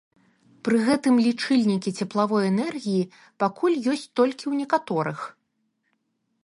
Пры гэтым лічыльнікі цеплавой энергіі пакуль ёсць толькі ў некаторых.